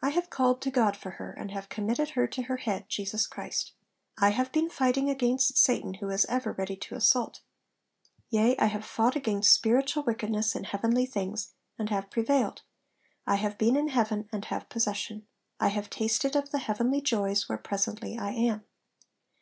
I have called to God for her, and have committed her to her head, Jesus Christ. I have been fighting against Satan, who is ever ready to assault. Yea, I have fought against spiritual wickedness in heavenly things, and have prevailed. I have been in heaven and have possession. I have tasted of the heavenly joys where presently I am.'